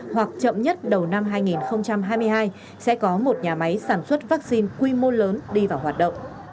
hoặc chậm nhất đầu năm hai nghìn hai mươi hai sẽ có một nhà máy sản xuất vaccine quy mô lớn đi vào hoạt động